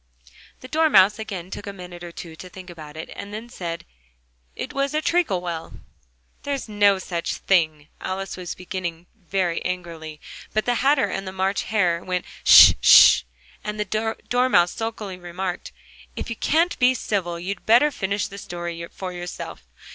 The Dormouse again took a minute or two to think about it, and then said: "It was a treacle well." "There's no such thing!" Alice was beginning very angrily, but the Hatter and the March Hare went "Sh! Sh!" and the Dormouse sulkily remarked: "If you can't be civil, you'd better finish the story for yourself."